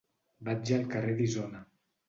Vaig al carrer d'Isona.